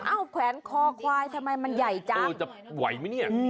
เอ้าแขวนคอขวายทำไมมันใหญ่จัง